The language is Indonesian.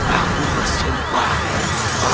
aku akan mencari dia